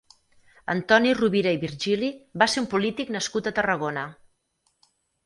Antoni Rovira i Virgili va ser un polític nascut a Tarragona.